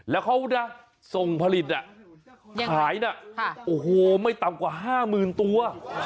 แล้วเขานะส่งผลิตขายนะโอ้โหไม่ต่ำกว่า๕๐๐๐ตัว